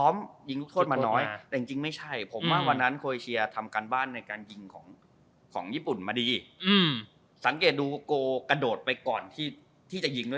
ไม่ได้มายมองจังหวะวิ่งบ้างแม่งก็บุ่นไปก่อน